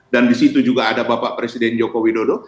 dan di situ juga ada bapak presiden joko widodo